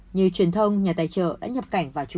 như truyền thông nhà tài trợ đã nhập cảnh